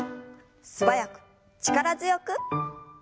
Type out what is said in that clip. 素早く力強く。